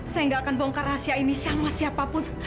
saya nggak akan bongkar rahasia ini sama siapapun